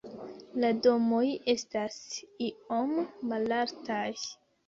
La domoj estas iom malaltaj.